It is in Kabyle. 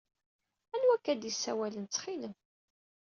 Anwa akka d-isawalen, ttxil-m?